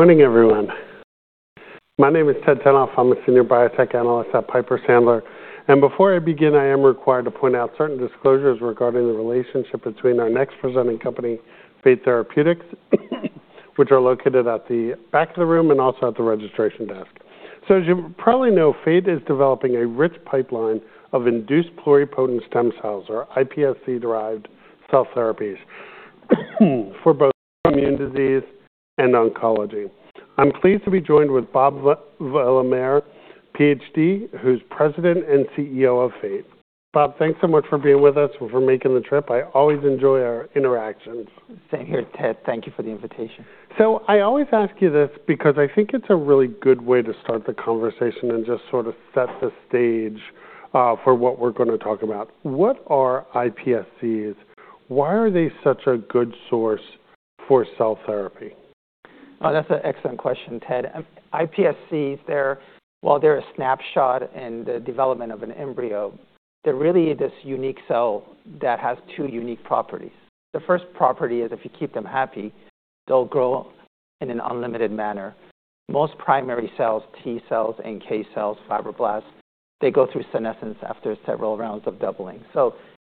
Morning, everyone. My name is Ted Tenthoff. I'm a senior biotech analyst at Piper Sandler. Before I begin, I am required to point out certain disclosures regarding the relationship between our next presenting company, Fate Therapeutics, which are located at the back of the room and also at the registration desk. As you probably know, Fate is developing a rich pipeline of induced pluripotent stem cells, or iPSC-derived cell therapies, for both immune disease and oncology. I'm pleased to be joined with Bob Valamehr, PhD, who's President and CEO of Fate. Bob, thanks so much for being with us and for making the trip. I always enjoy our interactions. Same here, Ted. Thank you for the invitation. I always ask you this because I think it's a really good way to start the conversation and just sort of set the stage for what we're going to talk about. What are iPSCs? Why are they such a good source for cell therapy? Oh, that's an excellent question, Ted. iPSCs, while they're a snapshot in the development of an embryo, they're really this unique cell that has two unique properties. The first property is, if you keep them happy, they'll grow in an unlimited manner. Most primary cells, T cells and NK cells, fibroblasts, they go through senescence after several rounds of doubling.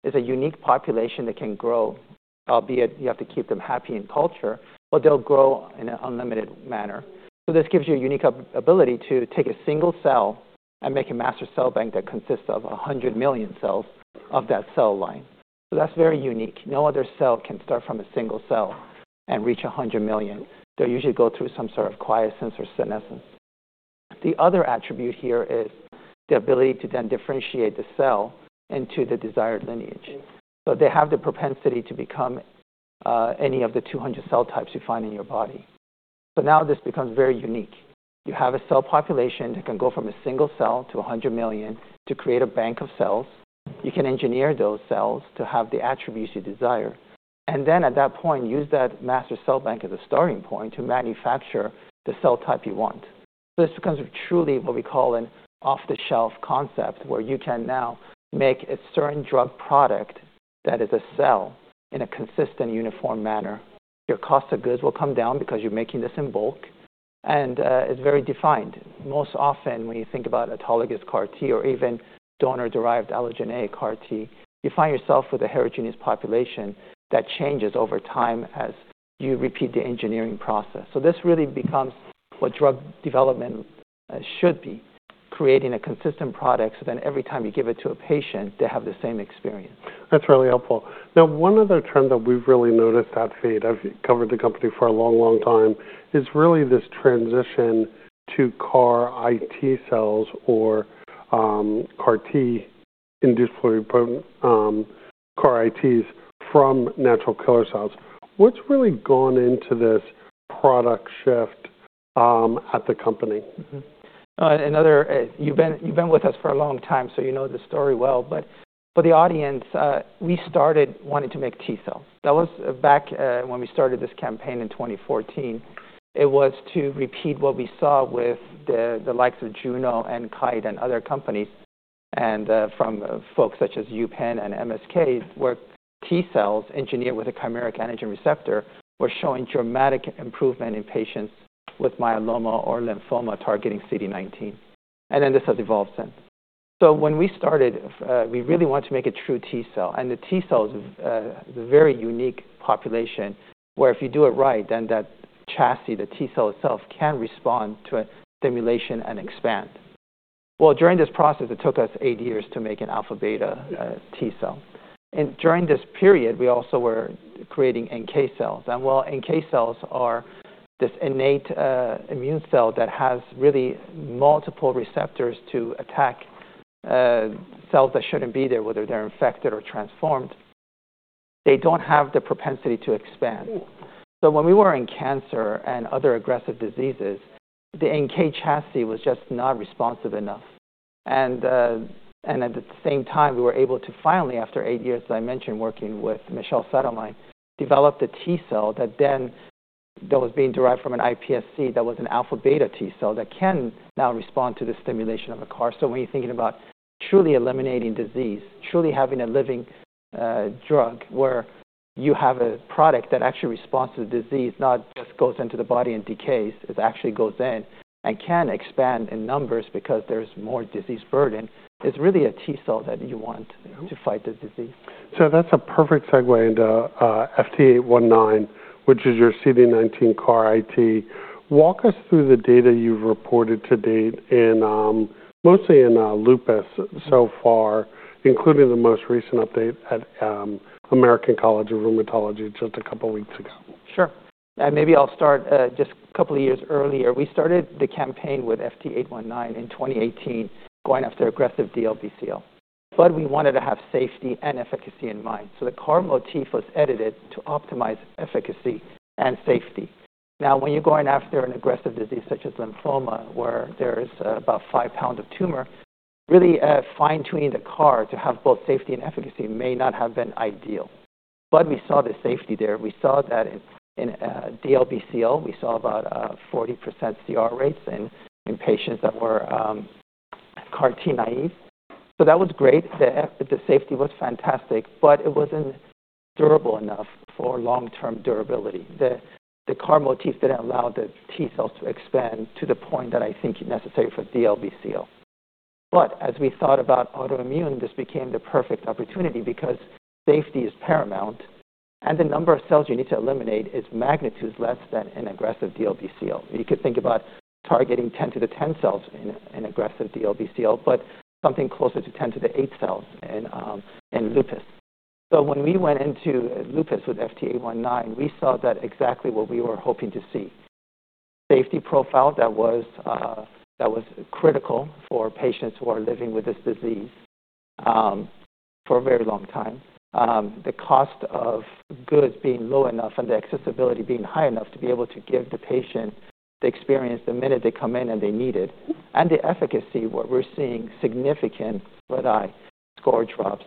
It's a unique population that can grow, albeit you have to keep them happy in culture, but they'll grow in an unlimited manner. This gives you a unique ability to take a single cell and make a master cell bank that consists of 100 million cells of that cell line. That's very unique. No other cell can start from a single cell and reach 100 million. They usually go through some sort of quiescence or senescence. The other attribute here is the ability to then differentiate the cell into the desired lineage. They have the propensity to become any of the 200 cell types you find in your body. Now this becomes very unique. You have a cell population that can go from a single cell to 100 million to create a bank of cells. You can engineer those cells to have the attributes you desire. At that point, use that master cell bank as a starting point to manufacture the cell type you want. This becomes truly what we call an off-the-shelf concept, where you can now make a certain drug product that is a cell in a consistent, uniform manner. Your cost of goods will come down because you're making this in bulk. It is very defined. Most often, when you think about autologous CAR-T or even donor-derived allogeneic CAR-T, you find yourself with a heterogeneous population that changes over time as you repeat the engineering process. This really becomes what drug development should be, creating a consistent product so then every time you give it to a patient, they have the same experience. That's really helpful. Now, one other trend that we've really noticed at Fate, I've covered the company for a long, long time, is really this transition to CAR iT cells or CAR-T-induced pluripotent CAR iTs from natural killer cells. What's really gone into this product shift at the company? Another, you've been with us for a long time, so you know the story well. For the audience, we started wanting to make T cells. That was back when we started this campaign in 2014. It was to repeat what we saw with the likes of Juno and Kite and other companies. From folks such as UPenn and MSK, where T cells engineered with a chimeric antigen receptor were showing dramatic improvement in patients with myeloma or lymphoma targeting CD19. This has evolved since. When we started, we really wanted to make a true T cell. The T cell is a very unique population, where if you do it right, then that chassis, the T cell itself, can respond to stimulation and expand. During this process, it took us eight years to make an alpha-beta T cell. During this period, we also were creating NK cells. While NK cells are this innate immune cell that has really multiple receptors to attack cells that should not be there, whether they are infected or transformed, they do not have the propensity to expand. When we were in cancer and other aggressive diseases, the NK chassis was just not responsive enough. At the same time, we were able to finally, after eight years, as I mentioned, working with Michel Sadelain, develop the T cell that then was being derived from an iPSC that was an alpha-beta T cell that can now respond to the stimulation of a CAR cell. When you're thinking about truly eliminating disease, truly having a living drug, where you have a product that actually responds to the disease, not just goes into the body and decays, it actually goes in and can expand in numbers because there's more disease burden, it's really a T cell that you want to fight the disease. That's a perfect segue into FT819, which is your CD19 CAR iT. Walk us through the data you've reported to date, mostly in lupus so far, including the most recent update at American College of Rheumatology just a couple of weeks ago. Sure. Maybe I'll start just a couple of years earlier. We started the campaign with FT819 in 2018, going after aggressive DLBCL. We wanted to have safety and efficacy in mind. The CAR motif was edited to optimize efficacy and safety. Now, when you're going after an aggressive disease such as lymphoma, where there is about five pounds of tumor, really fine-tuning the CAR to have both safety and efficacy may not have been ideal. We saw the safety there. We saw that in DLBCL, we saw about 40% CR rates in patients that were CAR-T naive. That was great. The safety was fantastic. It wasn't durable enough for long-term durability. The CAR motif didn't allow the T cells to expand to the point that I think is necessary for DLBCL. As we thought about autoimmune, this became the perfect opportunity because safety is paramount. The number of cells you need to eliminate is magnitudes less than in aggressive DLBCL. You could think about targeting 10 to the 10 cells in aggressive DLBCL, but something closer to 10 to the 8 cells in lupus. When we went into lupus with FT819, we saw exactly what we were hoping to see: a safety profile that was critical for patients who are living with this disease for a very long time, the cost of goods being low enough, and the accessibility being high enough to be able to give the patient the experience the minute they come in and they need it. The efficacy, where we're seeing significant red-eye score drops,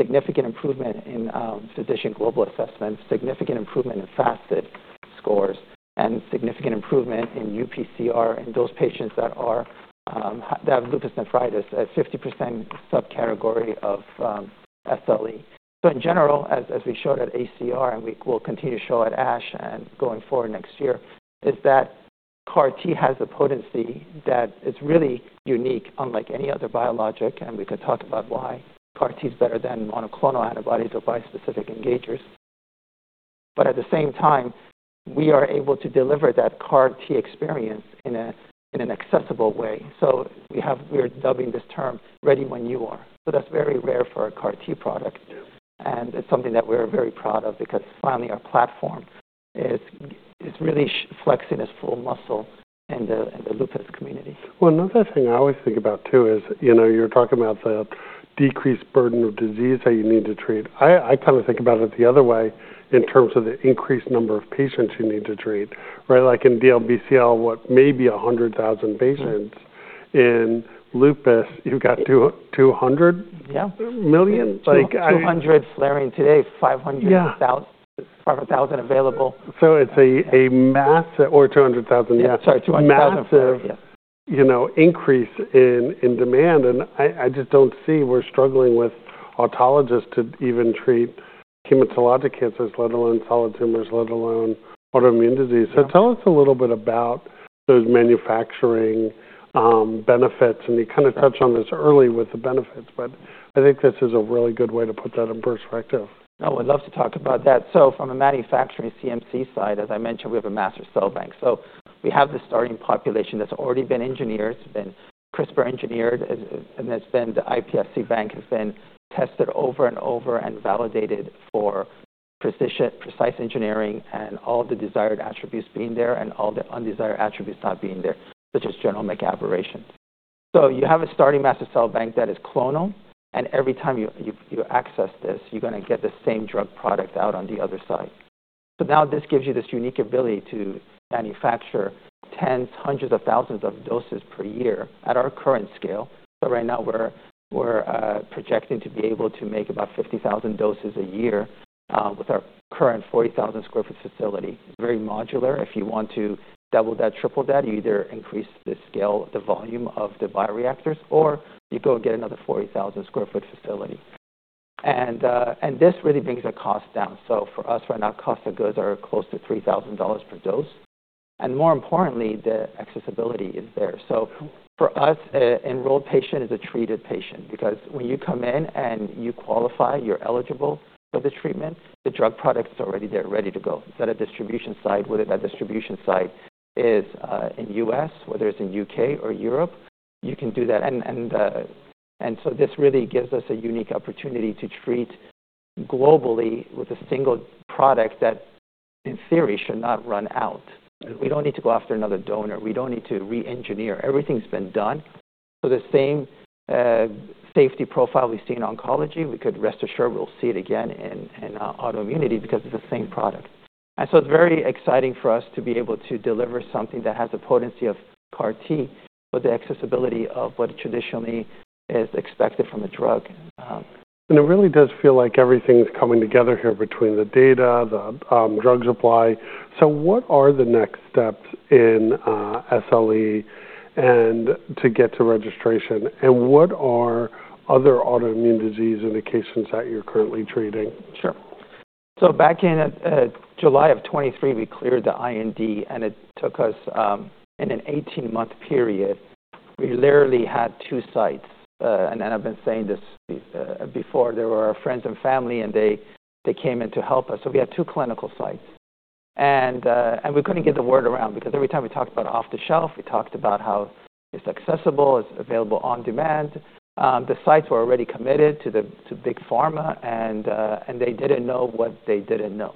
significant improvement in physician global assessments, significant improvement in FASD scores, and significant improvement in UPCR in those patients that have lupus nephritis, a 50% subcategory of SLE. In general, as we showed at ACR, and we will continue to show at ASH and going forward next year, CAR-T has a potency that is really unique, unlike any other biologic. We could talk about why CAR-T is better than monoclonal antibodies or bispecific engagers. At the same time, we are able to deliver that CAR-T experience in an accessible way. We're dubbing this term "ready when you are." That is very rare for a CAR-T product. It is something that we're very proud of because finally, our platform is really flexing its full muscle in the lupus community. Another thing I always think about, too, is you're talking about the decreased burden of disease that you need to treat. I kind of think about it the other way in terms of the increased number of patients you need to treat. Like in DLBCL, what, maybe 100,000 patients. In lupus, you've got 200 million? Yeah. Two hundred, flaring today, 500,000 available. It's a massive, or 200,000, yeah, massive increase in demand. I just don't see we're struggling with autologous to even treat hematologic cancers, let alone solid tumors, let alone autoimmune disease. Tell us a little bit about those manufacturing benefits. You kind of touched on this early with the benefits. I think this is a really good way to put that in perspective. Oh, I'd love to talk about that. From a manufacturing CMC side, as I mentioned, we have a master cell bank. We have the starting population that's already been engineered, it's been CRISPR engineered, and the iPSC bank has been tested over and over and validated for precise engineering and all the desired attributes being there and all the undesired attributes not being there, such as genomic aberrations. You have a starting master cell bank that is clonal. Every time you access this, you're going to get the same drug product out on the other side. This gives you this unique ability to manufacture tens, hundreds of thousands of doses per year at our current scale. Right now, we're projecting to be able to make about 50,000 doses a year with our current 40,000 sq ft facility. It's very modular. If you want to double that, triple that, you either increase the scale, the volume of the bioreactors, or you go and get another 40,000 sq ft facility. This really brings the cost down. For us right now, cost of goods are close to $3,000 per dose. More importantly, the accessibility is there. For us, an enrolled patient is a treated patient because when you come in and you qualify, you're eligible for the treatment, the drug product is already there, ready to go. Is that a distribution site? Whether that distribution site is in the U.S., whether it's in the U.K. or Europe, you can do that. This really gives us a unique opportunity to treat globally with a single product that, in theory, should not run out. We don't need to go after another donor. We don't need to re-engineer. Everything's been done. The same safety profile we see in oncology, we could rest assured we'll see it again in autoimmunity because it's the same product. It is very exciting for us to be able to deliver something that has the potency of CAR-T with the accessibility of what traditionally is expected from a drug. It really does feel like everything's coming together here between the data, the drug supply. What are the next steps in SLE to get to registration? What are other autoimmune disease indications that you're currently treating? Sure. Back in July of 2023, we cleared the IND, and it took us, in an 18-month period, we literally had two sites. I've been saying this before. They were our friends and family, and they came in to help us. We had two clinical sites. We couldn't get the word around because every time we talked about off-the-shelf, we talked about how it's accessible, it's available on demand. The sites were already committed to big pharma, and they didn't know what they didn't know.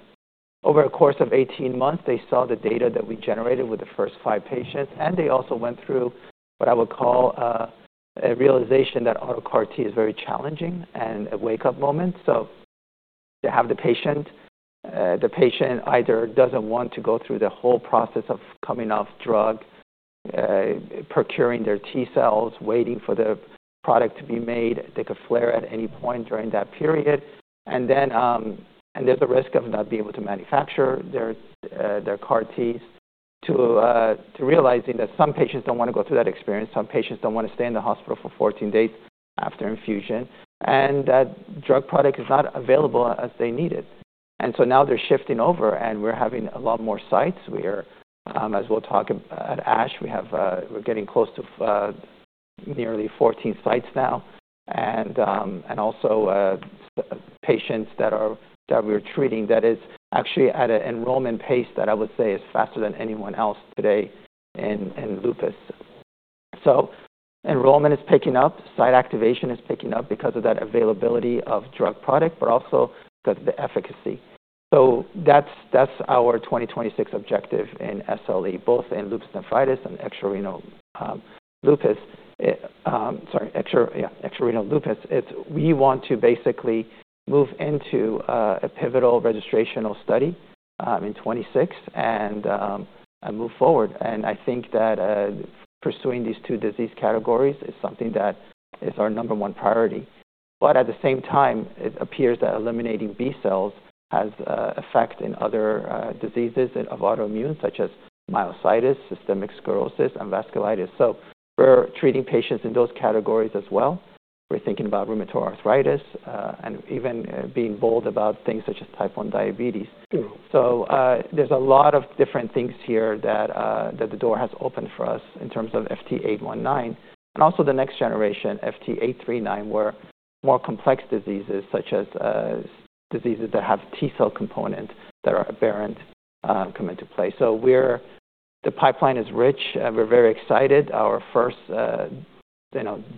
Over a course of 18 months, they saw the data that we generated with the first five patients. They also went through what I would call a realization that auto CAR-T is very challenging and a wake-up moment. You have the patient. The patient either doesn't want to go through the whole process of coming off drug, procuring their T cells, waiting for the product to be made. They could flare at any point during that period. There is a risk of not being able to manufacture their CAR-Ts, to realizing that some patients don't want to go through that experience. Some patients don't want to stay in the hospital for 14 days after infusion. That drug product is not available as they need it. Now they're shifting over, and we're having a lot more sites. As we'll talk at ASH, we're getting close to nearly 14 sites now. Also, patients that we're treating, that is actually at an enrollment pace that I would say is faster than anyone else today in lupus. Enrollment is picking up. Site activation is picking up because of that availability of drug product, but also because of the efficacy. That is our 2026 objective in SLE, both in lupus nephritis and extra-renal lupus. Sorry, extra-renal lupus. We want to basically move into a pivotal registration study in 2026 and move forward. I think that pursuing these two disease categories is something that is our number one priority. At the same time, it appears that eliminating B cells has an effect in other diseases of autoimmune, such as myositis, systemic sclerosis, and vasculitis. We are treating patients in those categories as well. We are thinking about rheumatoid arthritis and even being bold about things such as type 1 diabetes. There is a lot of different things here that the door has opened for us in terms of FT819 and also the next generation, FT839, where more complex diseases, such as diseases that have T cell components that are aberrant, come into play. The pipeline is rich. We are very excited. Our first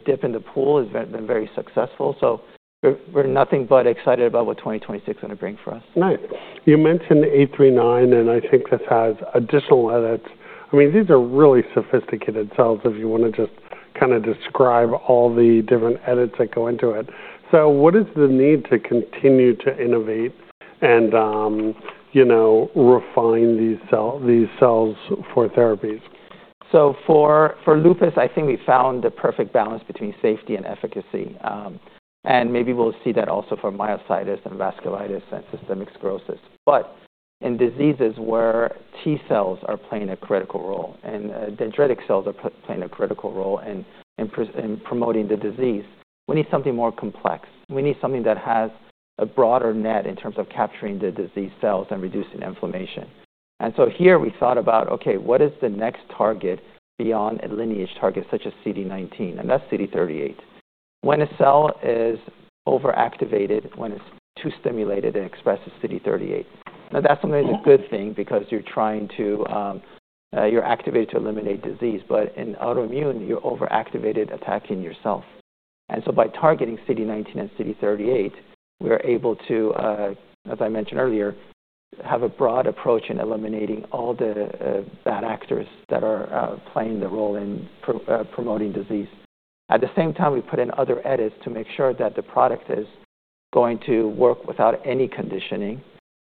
dip in the pool has been very successful. We are nothing but excited about what 2026 is going to bring for us. Nice. You mentioned 839, and I think this has additional edits. I mean, these are really sophisticated cells, if you want to just kind of describe all the different edits that go into it. What is the need to continue to innovate and refine these cells for therapies? For lupus, I think we found the perfect balance between safety and efficacy. Maybe we'll see that also for myositis and vasculitis and systemic sclerosis. In diseases where T cells are playing a critical role and dendritic cells are playing a critical role in promoting the disease, we need something more complex. We need something that has a broader net in terms of capturing the disease cells and reducing inflammation. Here we thought about, okay, what is the next target beyond a lineage target such as CD19? That's CD38. When a cell is overactivated, when it's too stimulated, it expresses CD38. Now, that's only a good thing because you're activated to eliminate disease. In autoimmune, you're overactivated attacking yourself. By targeting CD19 and CD38, we are able to, as I mentioned earlier, have a broad approach in eliminating all the bad actors that are playing the role in promoting disease. At the same time, we put in other edits to make sure that the product is going to work without any conditioning.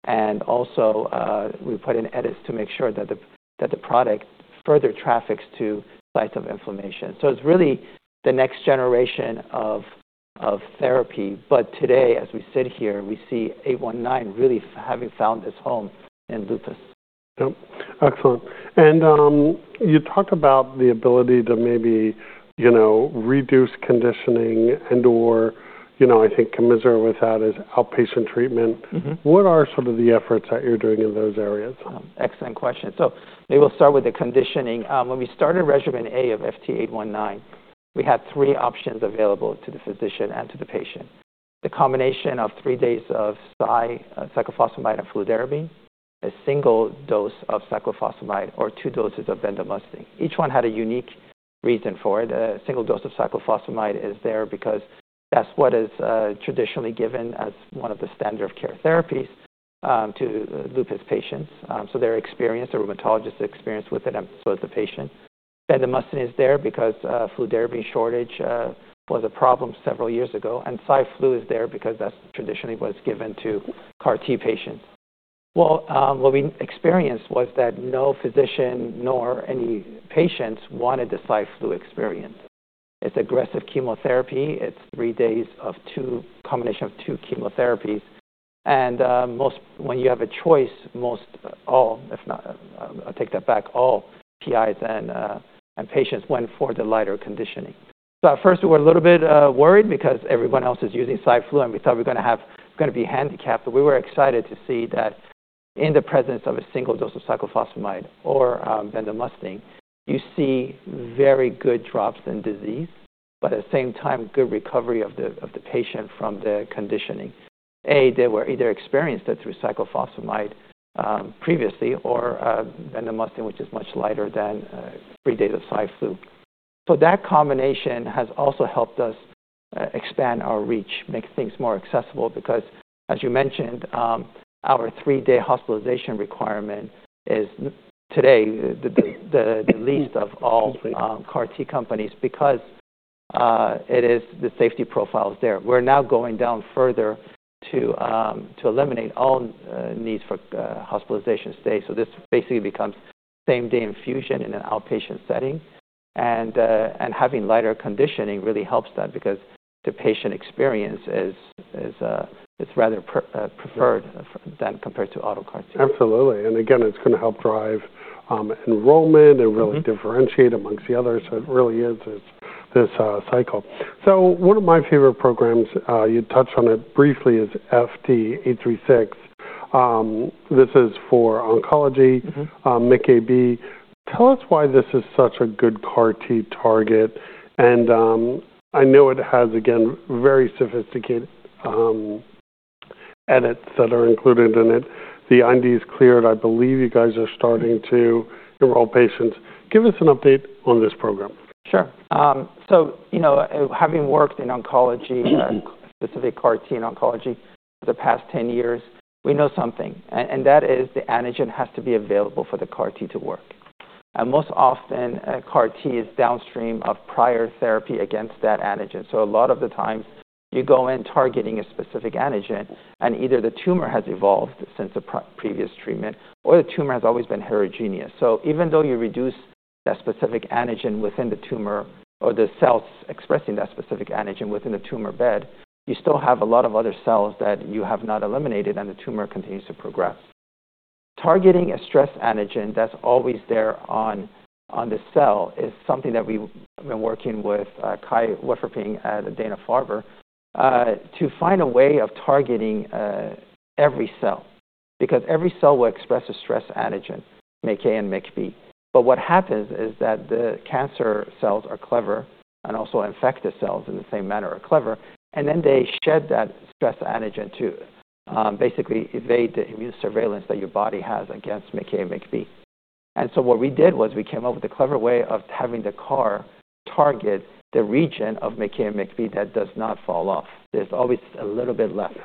Also, we put in edits to make sure that the product further traffics to sites of inflammation. It is really the next generation of therapy. Today, as we sit here, we see 819 really having found its home in lupus. Excellent. You talked about the ability to maybe reduce conditioning and/or, I think commiserate with that is outpatient treatment. What are some of the efforts that you're doing in those areas? Excellent question. Maybe we'll start with the conditioning. When we started regimen A of FT819, we had three options available to the physician and to the patient: the combination of three days of cyclophosphamide and fludarabine, a single dose of cyclophosphamide, or two doses of bendamustine. Each one had a unique reason for it. A single dose of cyclophosphamide is there because that's what is traditionally given as one of the standard of care therapies to lupus patients. Their experience, the rheumatologist's experience with it, and so is the patient. Bendamustine is there because fludarabine shortage was a problem several years ago. Cyclophosphamide is there because that's traditionally what's given to CAR-T patients. What we experienced was that no physician nor any patients wanted the cyclophosphamide experience. It's aggressive chemotherapy. It's three days of a combination of two chemotherapies. When you have a choice, most all, if not, I'll take that back, all PIs and patients went for the lighter conditioning. At first, we were a little bit worried because everyone else is using cycli, and we thought we're going to be handicapped. We were excited to see that in the presence of a single dose of cyclophosphamide or bendamustine, you see very good drops in disease, but at the same time, good recovery of the patient from the conditioning. A, they were either experienced through cyclophosphamide previously or bendamustine, which is much lighter than three days of cycli. That combination has also helped us expand our reach, make things more accessible because, as you mentioned, our three-day hospitalization requirement is today the least of all CAR-T companies because the safety profile is there. We're now going down further to eliminate all needs for hospitalization stays. This basically becomes same-day infusion in an outpatient setting. Having lighter conditioning really helps that because the patient experience is rather preferred than compared to auto CAR-T. Absolutely. It is going to help drive enrollment and really differentiate amongst the others. It really is this cycle. One of my favorite programs, you touched on it briefly, is FT836. This is for oncology, MICA/MICB. Tell us why this is such a good CAR-T target. I know it has, again, very sophisticated edits that are included in it. The IND is cleared. I believe you guys are starting to enroll patients. Give us an update on this program. Sure. You know, having worked in oncology, specifically CAR-T in oncology for the past 10 years, we know something. That is, the antigen has to be available for the CAR-T to work. Most often, CAR-T is downstream of prior therapy against that antigen. A lot of the times, you go in targeting a specific antigen, and either the tumor has evolved since the previous treatment or the tumor has always been heterogeneous. Even though you reduce that specific antigen within the tumor or the cells expressing that specific antigen within the tumor bed, you still have a lot of other cells that you have not eliminated, and the tumor continues to progress. Targeting a stress antigen that's always there on the cell is something that we've been working with Kai Wucherpfennig at Dana-Farber to find a way of targeting every cell because every cell will express a stress antigen, MICA and MICB. What happens is that the cancer cells are clever, and also infectious cells in the same manner are clever. They shed that stress antigen to basically evade the immune surveillance that your body has against MICA and MICB. What we did was we came up with a clever way of having the CAR target the region of MICA and MICB that does not fall off. There's always a little bit left.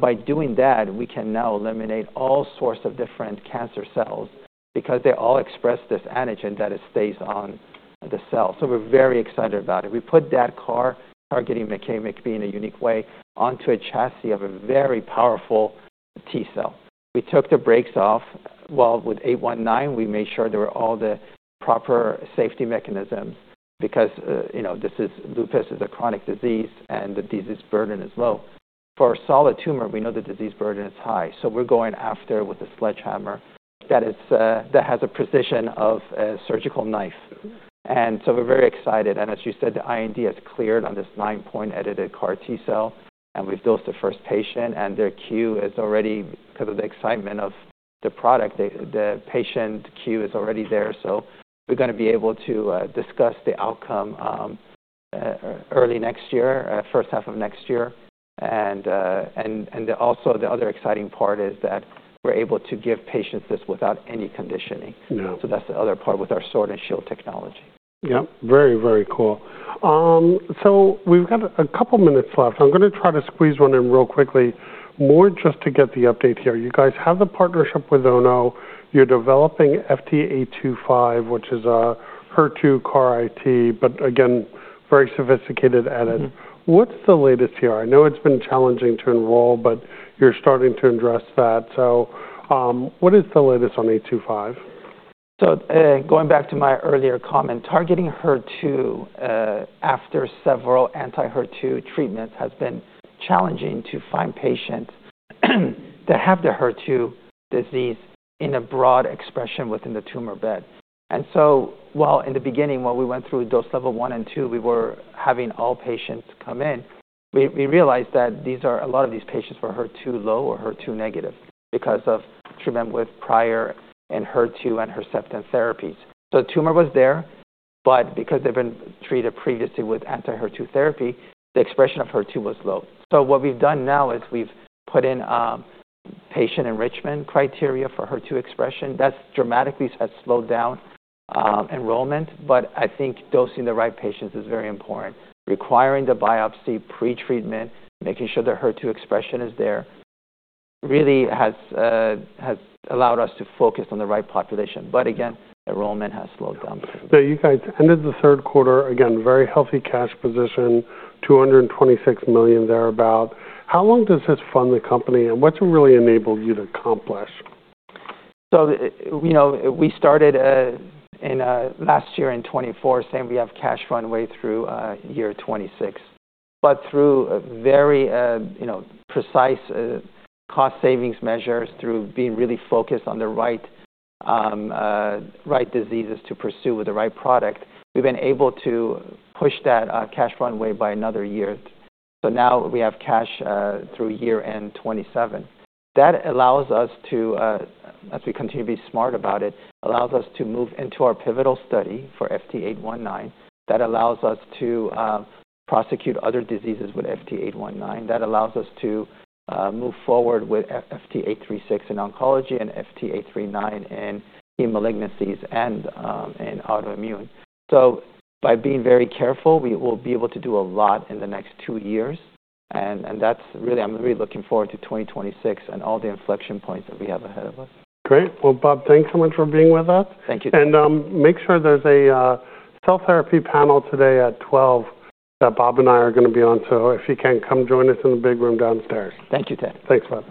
By doing that, we can now eliminate all sorts of different cancer cells because they all express this antigen that stays on the cell. We're very excited about it. We put that CAR, targeting MICA and MICB in a unique way, onto a chassis of a very powerful T cell. We took the brakes off. With 819, we made sure there were all the proper safety mechanisms because, you know, this is lupus, is a chronic disease, and the disease burden is low. For a solid tumor, we know the disease burden is high. We're going after it with a sledgehammer that has the precision of a surgical knife. We're very excited. As you said, the IND has cleared on this nine-point edited CAR-T cell, and we've dosed the first patient. Their queue is already, because of the excitement of the product, the patient queue is already there. We're going to be able to discuss the outcome early next year, first half of next year. The other exciting part is that we're able to give patients this without any conditioning. That's the other part with our sword and shield technology. Yep. Very, very cool. We have a couple of minutes left. I'm going to try to squeeze one in real quickly, more just to get the update here. You guys have the partnership with Ono. You're developing FT825, which is a HER2 CAR iT, but again, very sophisticated edit. What's the latest here? I know it's been challenging to enroll, but you're starting to address that. What is the latest on 825? Going back to my earlier comment, targeting HER2 after several anti-HER2 treatments has been challenging to find patients that have the HER2 disease in a broad expression within the tumor bed. In the beginning, when we went through dose level one and two, we were having all patients come in. We realized that a lot of these patients were HER2 low or HER2 negative because of treatment with prior HER2 and Herceptin therapies. The tumor was there, but because they've been treated previously with anti-HER2 therapy, the expression of HER2 was low. What we've done now is we've put in patient enrichment criteria for HER2 expression. That has dramatically slowed down enrollment. I think dosing the right patients is very important. Requiring the biopsy pre-treatment, making sure the HER2 expression is there, really has allowed us to focus on the right population. Again, enrollment has slowed down. You guys ended the third quarter, again, very healthy cash position, $226 million thereabout. How long does this fund the company? What's it really enabled you to accomplish? You know, we started last year in 2024, saying we have cash runway through year 2026. Through very precise cost savings measures, through being really focused on the right diseases to pursue with the right product, we've been able to push that cash runway by another year. Now we have cash through year end 2027. That allows us to, as we continue to be smart about it, move into our pivotal study for FT819. That allows us to prosecute other diseases with FT819. That allows us to move forward with FT836 in oncology and FT839 in malignancies and in autoimmune. By being very careful, we will be able to do a lot in the next two years. I'm really looking forward to 2026 and all the inflection points that we have ahead of us. Great. Bob, thanks so much for being with us. Thank you. Make sure there's a cell therapy panel today at 12:00 that Bob and I are going to be on. If you can, come join us in the big room downstairs. Thank you, Ted. Thanks for that.